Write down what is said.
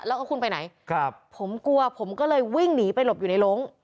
แล้วก็คุณไปไหนครับผมกลัวผมก็เลยวิ่งหนีไปหลบอยู่ในลง